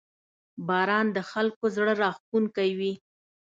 • باران د خلکو زړه راښکونکی وي.